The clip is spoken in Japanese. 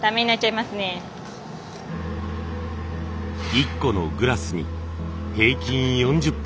一個のグラスに平均４０分。